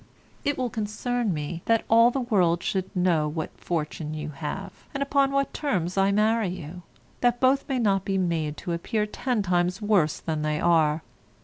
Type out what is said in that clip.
It will concern me that all the world should know what fortune you have, and upon what terms I marry you, that both may not be made to appear ten times worse than they are.